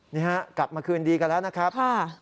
นี่ฮะกลับมาคืนดีกันแล้วนะครับ